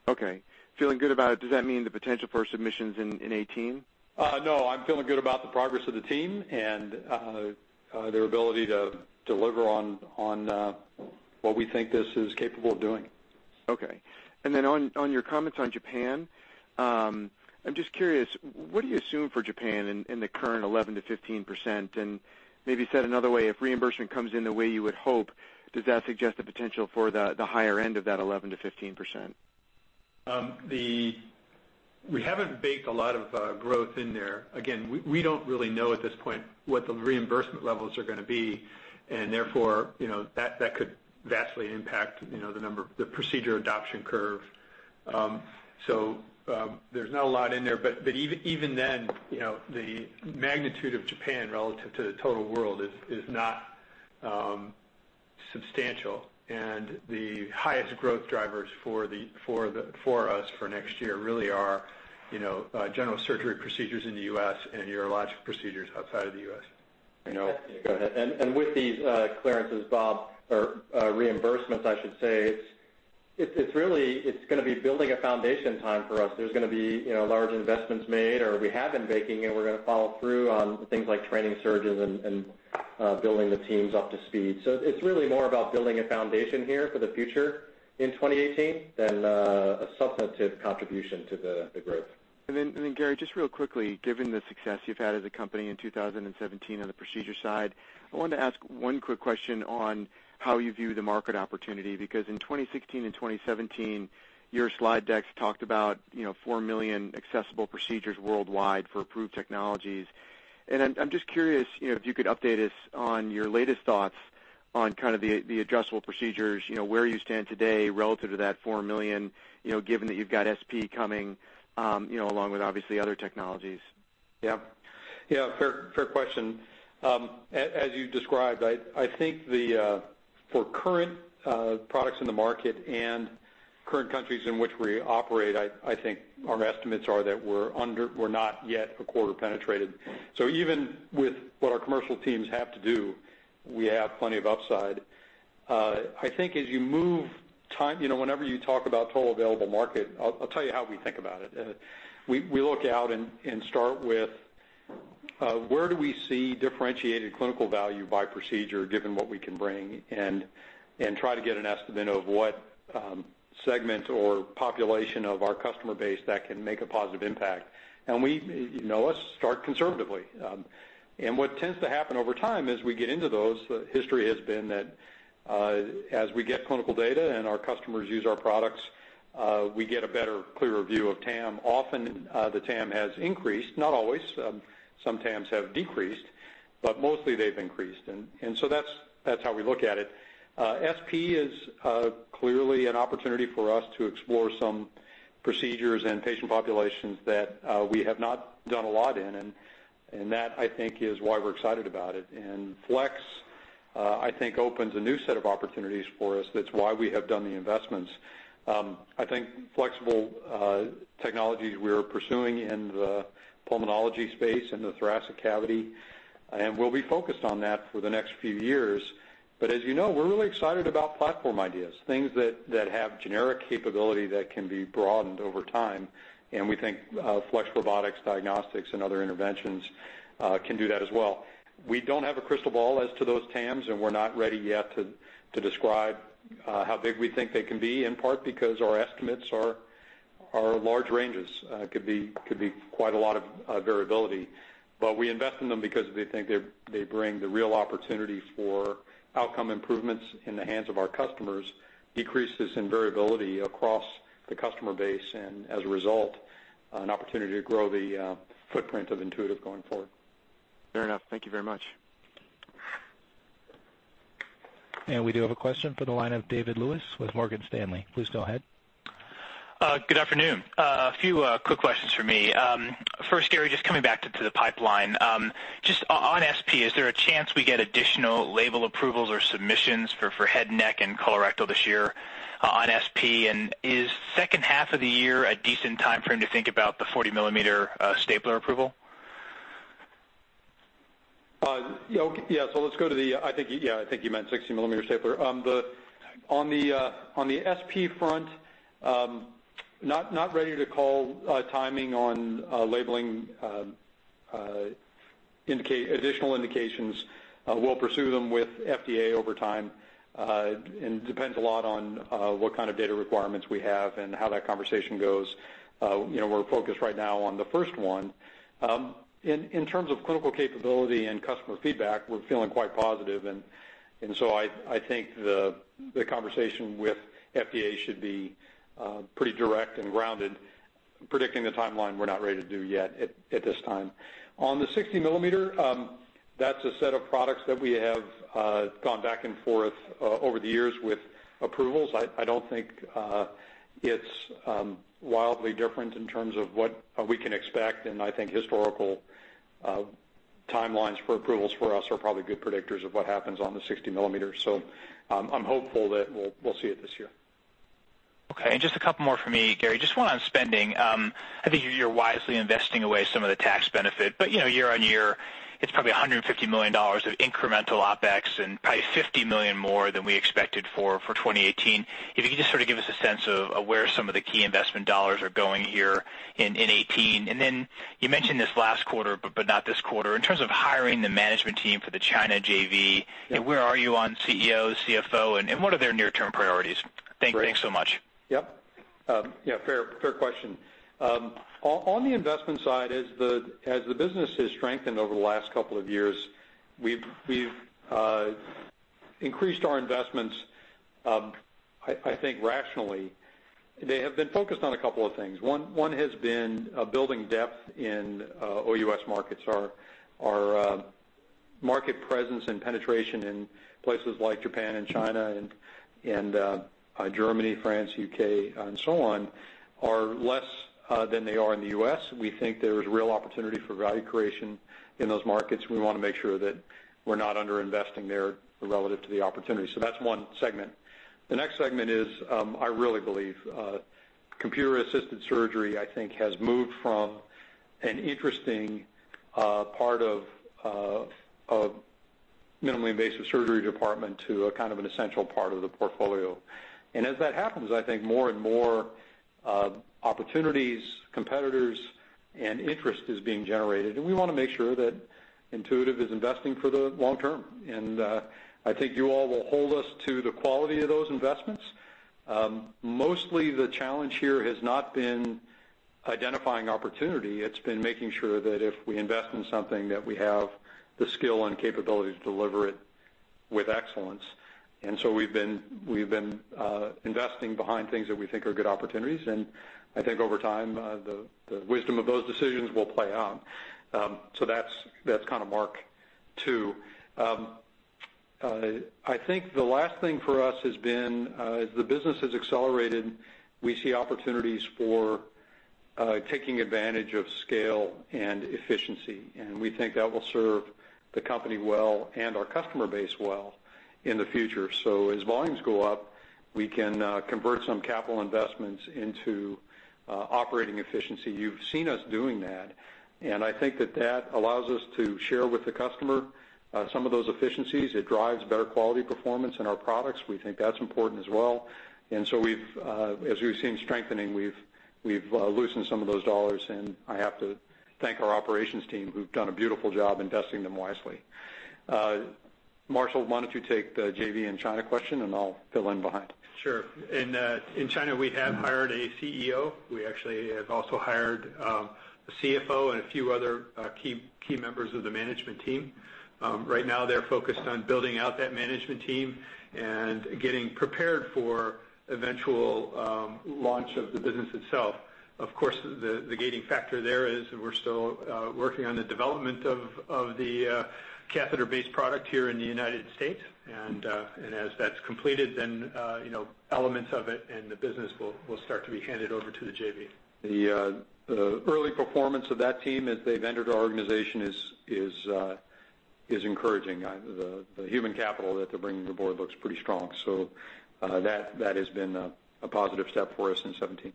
Okay. Feeling good about it, does that mean the potential for submissions in 2018? No, I'm feeling good about the progress of the team and their ability to deliver on what we think this is capable of doing. Okay. On your comments on Japan, I'm just curious, what do you assume for Japan in the current 11%-15%? Maybe said another way, if reimbursement comes in the way you would hope, does that suggest the potential for the higher end of that 11%-15%? We haven't baked a lot of growth in there. Again, we don't really know at this point what the reimbursement levels are going to be, and therefore, that could vastly impact the procedure adoption curve. There's not a lot in there, but even then, the magnitude of Japan relative to the total world is not substantial. The highest growth drivers for us for next year really are general surgery procedures in the U.S. and urologic procedures outside of the U.S. With these clearances, Bob, or reimbursements, I should say, it's going to be building a foundation time for us. There's going to be large investments made, or we have been making, and we're going to follow through on things like training surgeons and building the teams up to speed. It's really more about building a foundation here for the future in 2018 than a substantive contribution to the growth. Gary, just real quickly, given the success you've had as a company in 2017 on the procedure side, I wanted to ask one quick question on how you view the market opportunity. In 2016 and 2017, your slide decks talked about 4 million accessible procedures worldwide for approved technologies. I'm just curious if you could update us on your latest thoughts on kind of the addressable procedures, where you stand today relative to that 4 million, given that you've got SP coming along with obviously other technologies. Yeah. Fair question. As you described, I think for current products in the market and current countries in which we operate, I think our estimates are that we're not yet a quarter penetrated. Even with what our commercial teams have to do, we have plenty of upside. I think as you move time, whenever you talk about total available market, I'll tell you how we think about it. We look out and start with where do we see differentiated clinical value by procedure given what we can bring, and try to get an estimate of what segment or population of our customer base that can make a positive impact. We start conservatively. What tends to happen over time as we get into those, history has been that as we get clinical data and our customers use our products We get a better, clearer view of TAM. Often, the TAM has increased. Not always. Some TAMs have decreased, but mostly they've increased. That's how we look at it. SP is clearly an opportunity for us to explore some procedures and patient populations that we have not done a lot in. That, I think, is why we're excited about it. Flex, I think opens a new set of opportunities for us. That's why we have done the investments. I think flexible technologies we're pursuing in the pulmonology space and the thoracic cavity, and we'll be focused on that for the next few years. As you know, we're really excited about platform ideas, things that have generic capability that can be broadened over time. We think flex robotics, diagnostics, and other interventions can do that as well. We don't have a crystal ball as to those TAMs, and we're not ready yet to describe how big we think they can be, in part because our estimates are large ranges. Could be quite a lot of variability. We invest in them because we think they bring the real opportunity for outcome improvements in the hands of our customers, decreases in variability across the customer base, and as a result, an opportunity to grow the footprint of Intuitive going forward. Fair enough. Thank you very much. We do have a question from the line of David Lewis with Morgan Stanley. Please go ahead. Good afternoon. A few quick questions from me. First, Gary, just coming back to the pipeline. Just on SP, is there a chance we get additional label approvals or submissions for head, neck, and colorectal this year on SP? Is second half of the year a decent timeframe to think about the 40-millimeter stapler approval? Yeah. I think you meant 60-millimeter stapler. On the SP front, not ready to call timing on labeling additional indications. We'll pursue them with FDA over time. Depends a lot on what kind of data requirements we have and how that conversation goes. We're focused right now on the first one. In terms of clinical capability and customer feedback, we're feeling quite positive, I think the conversation with FDA should be pretty direct and grounded. Predicting the timeline, we're not ready to do yet at this time. On the 60 millimeter, that's a set of products that we have gone back and forth over the years with approvals. I don't think it's wildly different in terms of what we can expect, I think historical timelines for approvals for us are probably good predictors of what happens on the 60 millimeter. I'm hopeful that we'll see it this year. Okay. Just a couple more from me, Gary. Just one on spending. I think you're wisely investing away some of the tax benefit, but year-over-year, it's probably $150 million of incremental OpEx and probably $50 million more than we expected for 2018. If you could just sort of give us a sense of where some of the key investment dollars are going here in 2018. Then you mentioned this last quarter, but not this quarter. In terms of hiring the management team for the China JV- Yeah. Where are you on CEO, CFO, and what are their near-term priorities? Great. Thanks so much. Yep. Fair question. On the investment side, as the business has strengthened over the last couple of years, we've increased our investments, I think rationally. They have been focused on a couple of things. One has been building depth in OUS markets. Our market presence and penetration in places like Japan and China and Germany, France, UK, and so on, are less than they are in the U.S. We think there is real opportunity for value creation in those markets. We want to make sure that we're not under-investing there relative to the opportunity. That's one segment. The next segment is, I really believe computer-assisted surgery, I think, has moved from an interesting part of minimally invasive surgery department to a kind of an essential part of the portfolio. As that happens, I think more and more opportunities, competitors, and interest is being generated, and we want to make sure that Intuitive is investing for the long term. I think you all will hold us to the quality of those investments. Mostly, the challenge here has not been identifying opportunity. It's been making sure that if we invest in something, that we have the skill and capability to deliver it with excellence. We've been investing behind things that we think are good opportunities, and I think over time, the wisdom of those decisions will play out. That's kind of mark two. The last thing for us has been as the business has accelerated, we see opportunities for taking advantage of scale and efficiency, and we think that will serve the company well and our customer base well in the future. As volumes go up, we can convert some capital investments into operating efficiency. You've seen us doing that, and I think that allows us to share with the customer some of those efficiencies. It drives better quality performance in our products. We think that's important as well. As we've seen strengthening, we've loosened some of those dollars, and I have to thank our operations team who've done a beautiful job investing them wisely. Marshall, why don't you take the JV and China question and I'll fill in behind? Sure. In China, we have hired a CEO. We actually have also hired a CFO and a few other key members of the management team. Right now, they're focused on building out that management team and getting prepared for eventual launch of the business itself. The gating factor there is we're still working on the development of the catheter-based product here in the United States, and as that's completed, then elements of it and the business will start to be handed over to the JV. The early performance of that team as they've entered our organization is encouraging. The human capital that they're bringing to the board looks pretty strong, so that has been a positive step for us in 2017.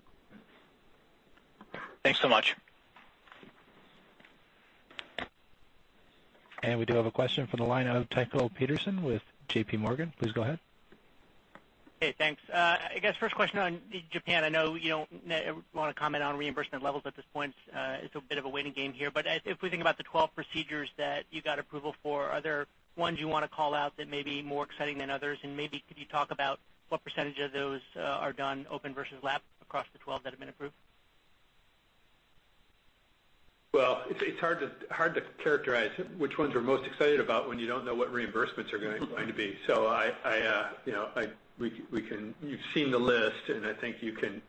Thanks so much. We do have a question from the line of Tycho Peterson with JPMorgan. Please go ahead. Hey, thanks. I guess first question on Japan. I know you don't want to comment on reimbursement levels at this point. It's a bit of a waiting game here, if we think about the 12 procedures that you got approval for, are there ones you want to call out that may be more exciting than others? Maybe could you talk about what percentage of those are done open versus lap across the 12 that have been approved? Well, it's hard to characterize which ones we're most excited about when you don't know what reimbursements are going to be. You've seen the list, and I think you can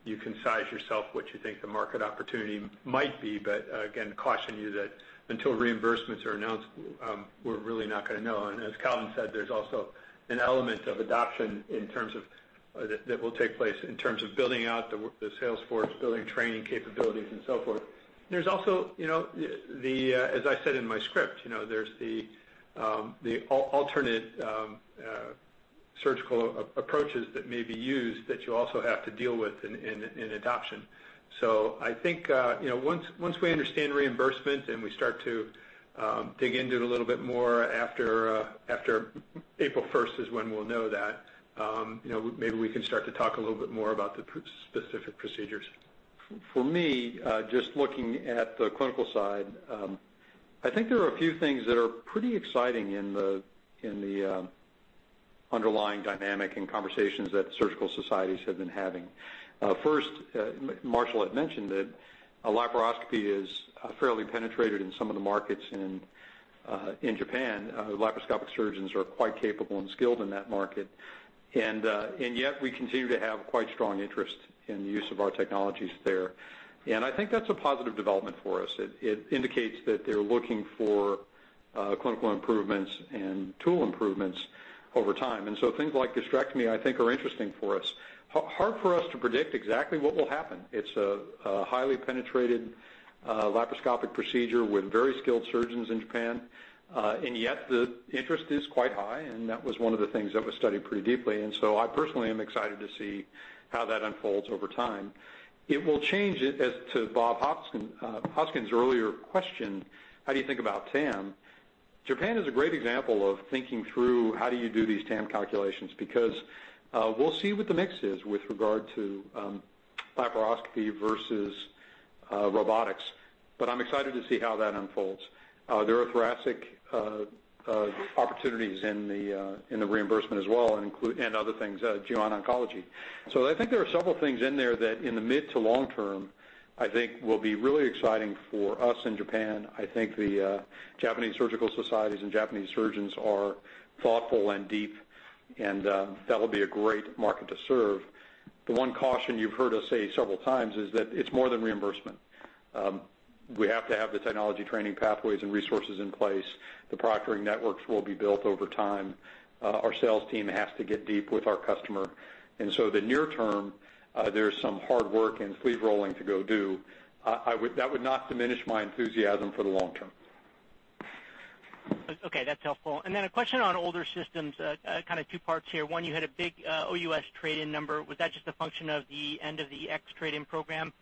size yourself what you think the market opportunity might be. Again, caution you that until reimbursements are announced, we're really not going to know. As Calvin said, there's also an element of adoption that will take place in terms of building out the sales force, building training capabilities, and so forth. There's also, as I said in my script, there's the alternate surgical approaches that may be used that you also have to deal with in adoption. I think once we understand reimbursement and we start to dig into it a little bit more after April 1st is when we'll know that. Maybe we can start to talk a little bit more about the specific procedures. For me, just looking at the clinical side, I think there are a few things that are pretty exciting in the underlying dynamic and conversations that surgical societies have been having. First, Marshall had mentioned that laparoscopy is fairly penetrated in some of the markets in Japan. Laparoscopic surgeons are quite capable and skilled in that market, yet we continue to have quite strong interest in the use of our technologies there, and I think that's a positive development for us. It indicates that they're looking for clinical improvements and tool improvements over time. Things like gastrectomy, I think, are interesting for us. Hard for us to predict exactly what will happen. It's a highly penetrated laparoscopic procedure with very skilled surgeons in Japan, yet the interest is quite high, and that was one of the things that was studied pretty deeply. I personally am excited to see how that unfolds over time. It will change it, as to Bob Hopkins' earlier question, how do you think about TAM? Japan is a great example of thinking through how do you do these TAM calculations? We'll see what the mix is with regard to laparoscopy versus robotics, but I'm excited to see how that unfolds. There are thoracic opportunities in the reimbursement as well and other things, gyn oncology. I think there are several things in there that in the mid to long term, I think will be really exciting for us in Japan. I think the Japanese surgical societies and Japanese surgeons are thoughtful and deep, and that'll be a great market to serve. The one caution you've heard us say several times is that it's more than reimbursement. We have to have the technology training pathways and resources in place. The proctoring networks will be built over time. Our sales team has to get deep with our customer, the near term, there's some hard work and sleeve rolling to go do. That would not diminish my enthusiasm for the long term. Okay, that's helpful. A question on older systems, kind of two parts here. One, you had a big OUS trade-in number. Was that just a function of the end of the X trade-in program?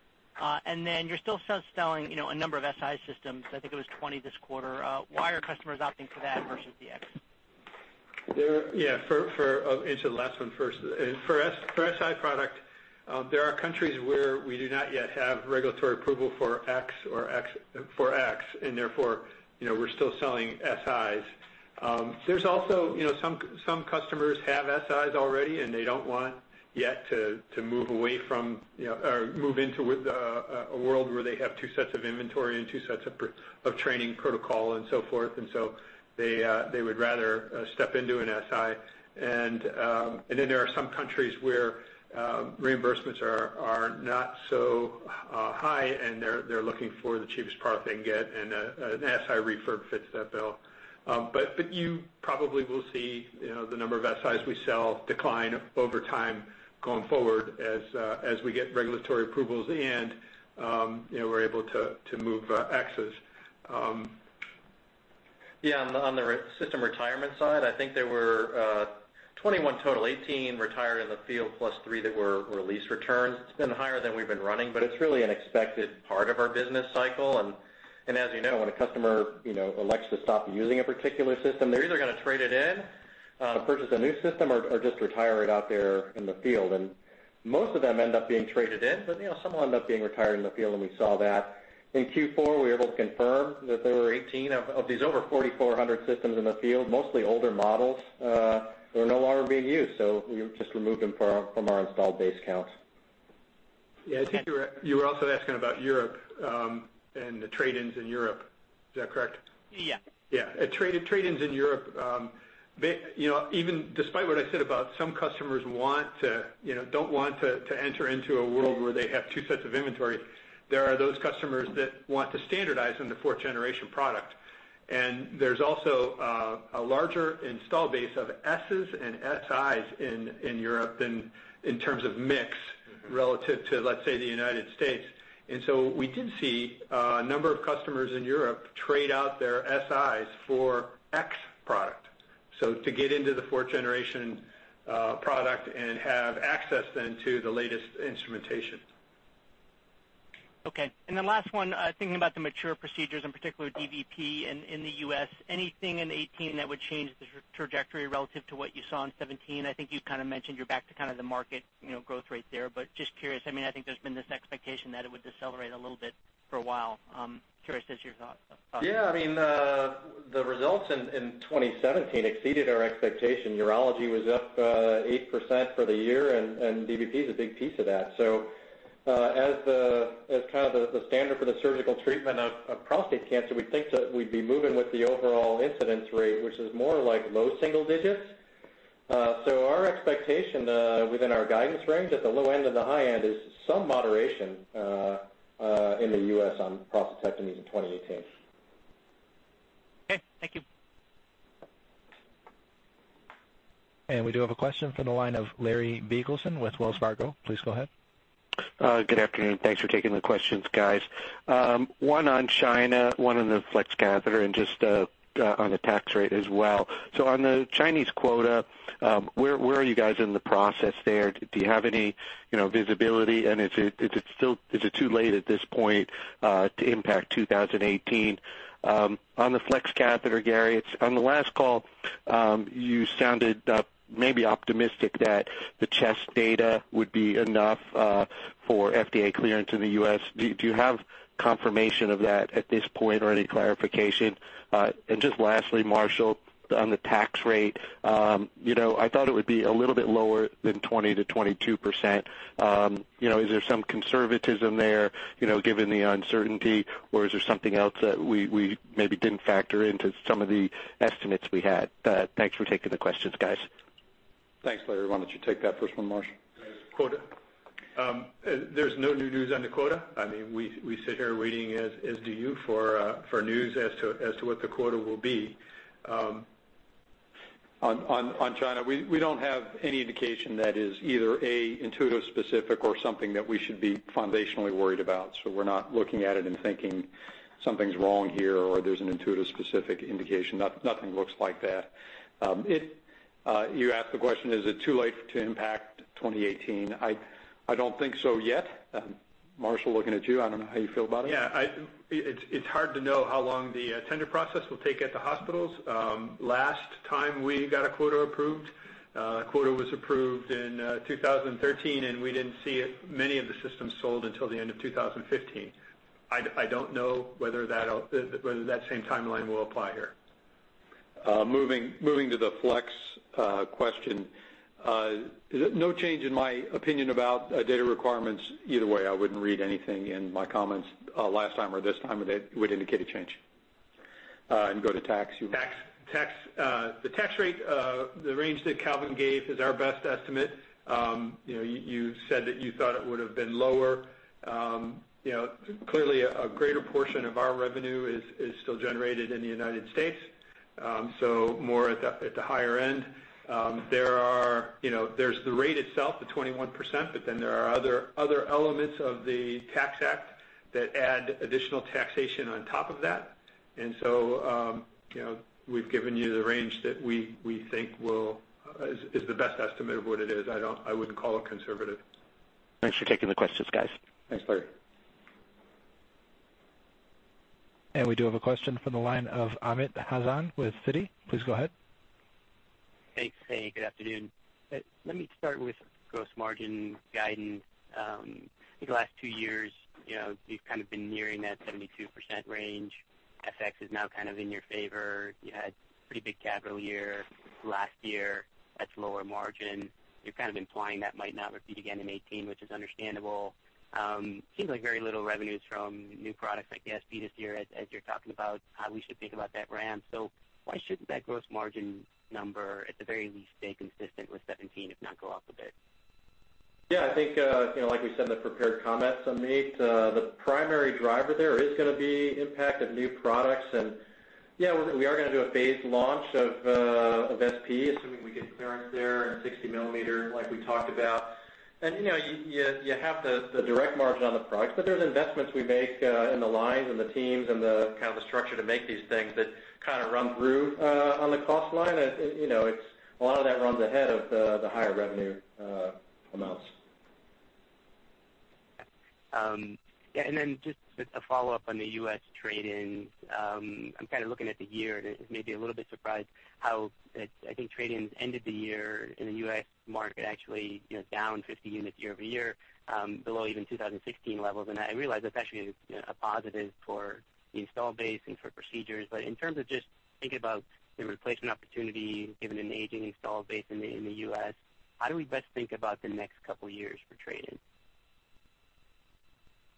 You're still selling a number of Si systems. I think it was 20 this quarter. Why are customers opting for that versus the X? Yeah. To answer the last one first. For Si product, there are countries where we do not yet have regulatory approval for X and therefore, we're still selling Sis. There's also some customers have Sis already, and they don't want yet to move into a world where they have two sets of inventory and two sets of training protocol and so forth, so they would rather step into an Si. Then there are some countries where reimbursements are not so high, and they're looking for the cheapest product they can get, and an Si refurb fits that bill. You probably will see the number of Sis we sell decline over time going forward as we get regulatory approvals and we're able to move Xs. Yeah, on the system retirement side, I think there were 21 total, 18 retired in the field plus three that were lease returns. It's been higher than we've been running, but it's really an expected part of our business cycle. As you know, when a customer elects to stop using a particular system, they're either going to trade it in. Purchase a new system or just retire it out there in the field. Most of them end up being traded in, but some will end up being retired in the field, and we saw that. In Q4, we were able to confirm that there were 18 of these over 4,400 systems in the field, mostly older models that were no longer being used. We just removed them from our installed base count. Yeah. I think you were also asking about Europe and the trade-ins in Europe. Is that correct? Yeah. Yeah. Trade-ins in Europe, even despite what I said about some customers don't want to enter into a world where they have two sets of inventory, there are those customers that want to standardize on the fourth-generation product. There's also a larger install base of S's and Sis in Europe than in terms of mix relative to, let's say, the U.S. We did see a number of customers in Europe trade out their Sis for X product, so to get into the fourth-generation product and have access then to the latest instrumentation. The last one, thinking about the mature procedures, in particular dVP in the U.S., anything in 2018 that would change the trajectory relative to what you saw in 2017? I think you kind of mentioned you're back to kind of the market growth rate there. Just curious, I think there's been this expectation that it would decelerate a little bit for a while. Curious as to your thoughts. Yeah. The results in 2017 exceeded our expectation. Urology was up 8% for the year, dVP is a big piece of that. As kind of the standard for the surgical treatment of prostate cancer, we think that we'd be moving with the overall incidence rate, which is more like low single digits. Our expectation within our guidance range at the low end and the high end is some moderation in the U.S. on prostatectomies in 2018. Okay. Thank you. We do have a question from the line of Larry Biegelsen with Wells Fargo. Please go ahead. Good afternoon. Thanks for taking the questions, guys. One on China, one on the Flex catheter, and just on the tax rate as well. On the Chinese quota, where are you guys in the process there? Do you have any visibility? Is it too late at this point to impact 2018? On the Flex catheter, Gary, on the last call, you sounded maybe optimistic that the CHEST data would be enough for FDA clearance in the U.S. Do you have confirmation of that at this point or any clarification? Just lastly, Marshall, on the tax rate, I thought it would be a little bit lower than 20%-22%. Is there some conservatism there given the uncertainty, or is there something else that we maybe didn't factor into some of the estimates we had? Thanks for taking the questions, guys. Thanks, Larry. Why don't you take that first one, Marshall? There's no new news on the quota. We sit here waiting, as do you, for news as to what the quota will be. On China, we don't have any indication that is either, A, Intuitive specific or something that we should be foundationally worried about. We're not looking at it and thinking something's wrong here or there's an Intuitive specific indication. Nothing looks like that. You asked the question, is it too late to impact 2018? I don't think so yet. Marshall, looking at you, I don't know how you feel about it. It's hard to know how long the tender process will take at the hospitals. Last time we got a quota approved, a quota was approved in 2013. We didn't see many of the systems sold until the end of 2015. I don't know whether that same timeline will apply here. Moving to the Flex question. No change in my opinion about data requirements either way. I wouldn't read anything in my comments last time or this time that would indicate a change. Go to tax. The tax rate, the range that Calvin gave is our best estimate. You said that you thought it would have been lower. Clearly, a greater portion of our revenue is still generated in the United States, so more at the higher end. There's the rate itself, the 21%. There are other elements of the Tax Act that add additional taxation on top of that. We've given you the range that we think is the best estimate of what it is. I wouldn't call it conservative. Thanks for taking the questions, guys. Thanks, Larry. We do have a question from the line of Amit Hazan with Citi. Please go ahead. Thanks. Hey, good afternoon. Let me start with gross margin guidance. In the last two years, you've kind of been nearing that 72% range. FX is now kind of in your favor. You had a pretty big capital year last year that's lower margin. You're kind of implying that might not repeat again in 2018, which is understandable. Seems like very little revenues from new products like the SP this year as you're talking about how we should think about that ramp. Why shouldn't that gross margin number, at the very least, stay consistent with 2017, if not go up a bit? Yeah, I think like we said in the prepared comments, Amit, the primary driver there is going to be impact of new products. Yeah, we are going to do a phased launch of SP, assuming we get clearance there in 60 millimeter like we talked about. You have the direct margin on the products, but there's investments we make in the lines and the teams and the kind of the structure to make these things that kind of run through on the cost line. A lot of that runs ahead of the higher revenue amounts. Just a follow-up on the U.S. trade-ins. I'm kind of looking at the year, and maybe a little bit surprised how, I think trade-ins ended the year in the U.S. market actually down 50 units year-over-year, below even 2016 levels. I realize that's actually a positive for the install base and for procedures. In terms of just thinking about the replacement opportunity, given an aging install base in the U.S., how do we best think about the next couple of years for trade-ins?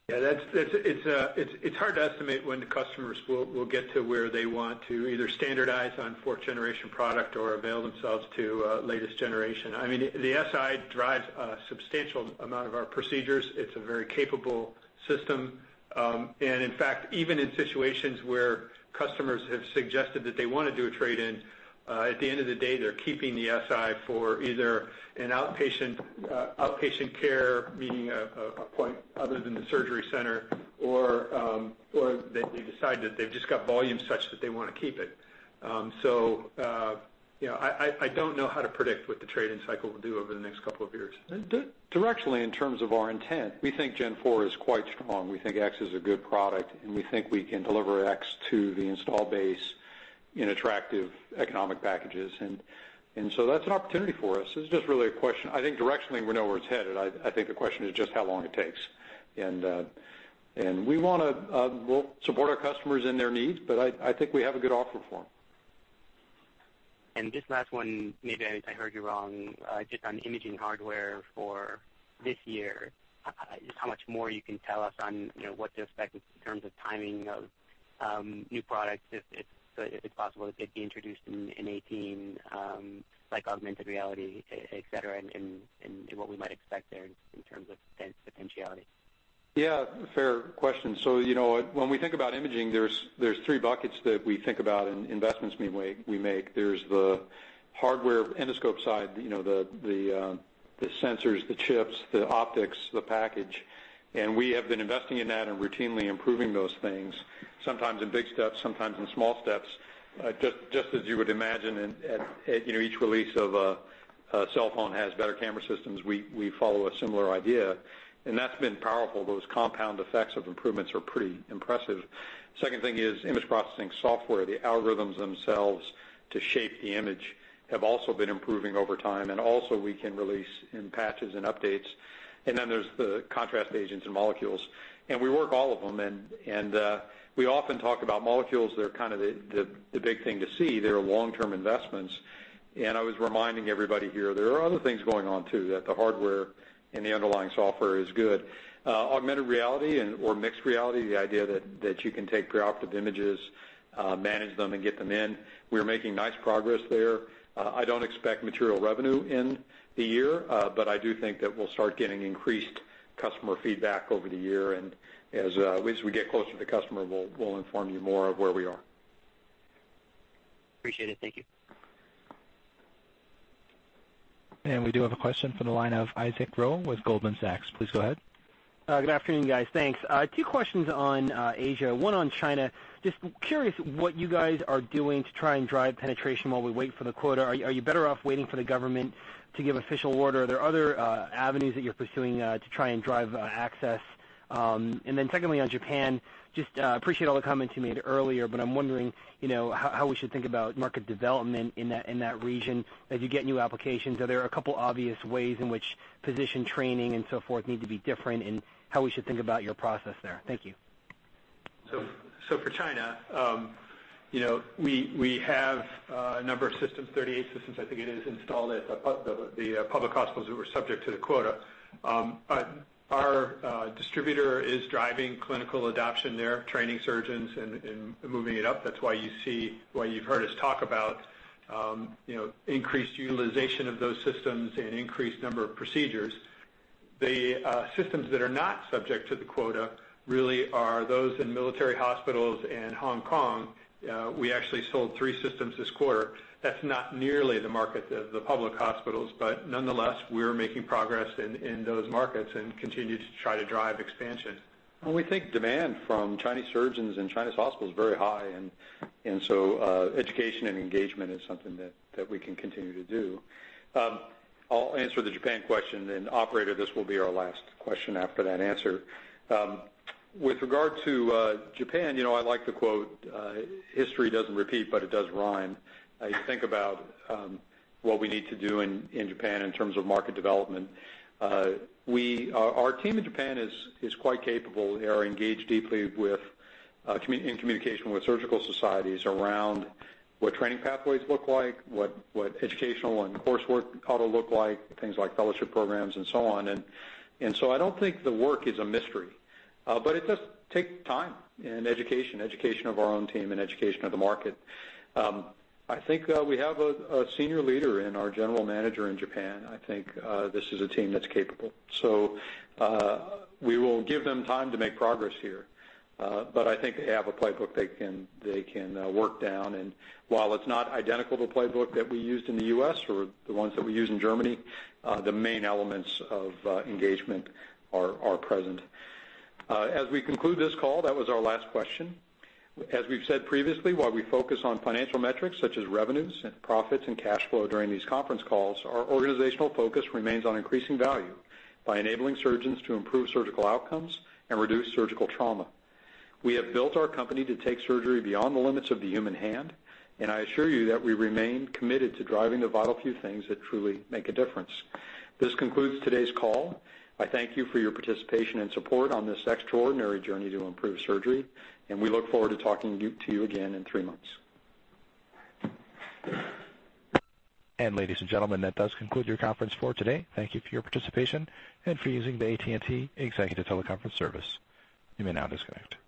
Yeah. It's hard to estimate when the customers will get to where they want to either standardize on fourth-generation product or avail themselves to latest generation. The Si drives a substantial amount of our procedures. It's a very capable system. In fact, even in situations where customers have suggested that they want to do a trade-in, at the end of the day, they're keeping the Si for either an outpatient care, meaning a point other than the surgery center, or they decide that they've just got volume such that they want to keep it. I don't know how to predict what the trade-in cycle will do over the next couple of years. Directionally, in terms of our intent, we think Gen4 is quite strong. We think X is a good product, and we think we can deliver X to the install base in attractive economic packages. That's an opportunity for us. It's just really a question I think directionally, we know where it's headed. I think the question is just how long it takes. We want to support our customers and their needs, but I think we have a good offer for them. Just last one, maybe I heard you wrong, just on imaging hardware for this year, just how much more you can tell us on what to expect in terms of timing of new products, if it's possible that they'd be introduced in 2018, like augmented reality, et cetera, and what we might expect there in terms of potentiality. Yeah, fair question. When we think about imaging, there's 3 buckets that we think about in investments we make. There's the hardware endoscope side, the sensors, the chips, the optics, the package. We have been investing in that and routinely improving those things, sometimes in big steps, sometimes in small steps. Just as you would imagine, each release of a cellphone has better camera systems. We follow a similar idea, that's been powerful. Those compound effects of improvements are pretty impressive. Second thing is image processing software. The algorithms themselves to shape the image have also been improving over time, also we can release in patches and updates. Then there's the contrast agents and molecules. We work all of them, we often talk about molecules that are kind of the big thing to see. They're long-term investments. I was reminding everybody here, there are other things going on, too, that the hardware and the underlying software is good. Augmented reality or mixed reality, the idea that you can take graphic images, manage them and get them in, we're making nice progress there. I don't expect material revenue in the year, but I do think that we'll start getting increased customer feedback over the year. As we get closer to customer, we'll inform you more of where we are. Appreciate it. Thank you. We do have a question from the line of Isaac Ro with Goldman Sachs. Please go ahead. Good afternoon, guys. Thanks. 2 questions on Asia, one on China. Just curious what you guys are doing to try and drive penetration while we wait for the quota. Are you better off waiting for the government to give official order? Are there other avenues that you're pursuing to try and drive access? Secondly, on Japan, just appreciate all the comments you made earlier, but I'm wondering how we should think about market development in that region as you get new applications. Are there a couple obvious ways in which physician training and so forth need to be different, and how we should think about your process there? Thank you. For China, we have a number of systems, 38 systems I think it is, installed at the public hospitals that were subject to the quota. Our distributor is driving clinical adoption there, training surgeons and moving it up. That's why you've heard us talk about increased utilization of those systems and increased number of procedures. The systems that are not subject to the quota really are those in military hospitals in Hong Kong. We actually sold 3 systems this quarter. That's not nearly the market of the public hospitals, but nonetheless, we're making progress in those markets and continue to try to drive expansion. We think demand from Chinese surgeons and Chinese hospitals is very high, education and engagement is something that we can continue to do. I'll answer the Japan question, operator, this will be our last question after that answer. With regard to Japan, I like the quote, "History doesn't repeat, but it does rhyme." I think about what we need to do in Japan in terms of market development. Our team in Japan is quite capable. They are engaged deeply in communication with surgical societies around what training pathways look like, what educational and coursework ought to look like, things like fellowship programs and so on. I don't think the work is a mystery. It does take time and education of our own team and education of the market. I think we have a senior leader in our general manager in Japan. I think this is a team that's capable. We will give them time to make progress here. I think they have a playbook they can work down. While it's not identical to the playbook that we used in the U.S. or the ones that we use in Germany, the main elements of engagement are present. As we conclude this call, that was our last question. As we've said previously, while we focus on financial metrics such as revenues and profits and cash flow during these conference calls, our organizational focus remains on increasing value by enabling surgeons to improve surgical outcomes and reduce surgical trauma. We have built our company to take surgery beyond the limits of the human hand, I assure you that we remain committed to driving the vital few things that truly make a difference. This concludes today's call. I thank you for your participation and support on this extraordinary journey to improve surgery, we look forward to talking to you again in three months. Ladies and gentlemen, that does conclude your conference for today. Thank you for your participation and for using the AT&T Executive Teleconference Service. You may now disconnect.